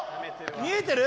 見えてる？